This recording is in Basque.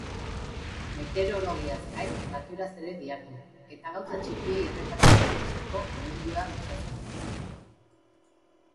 Metereologiaz gain naturaz ere dihardu eta gauza txikiei erreparatzen ikasteko gomendioa luzatzen du.